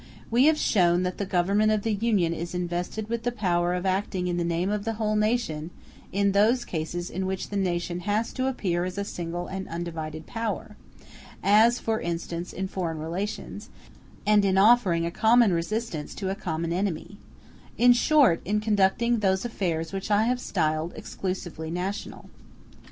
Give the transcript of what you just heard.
We have shown that the Government of the Union is invested with the power of acting in the name of the whole nation in those cases in which the nation has to appear as a single and undivided power; as, for instance, in foreign relations, and in offering a common resistance to a common enemy; in short, in conducting those affairs which I have styled exclusively national.